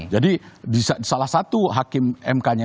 jadi salah satu hakim mk nya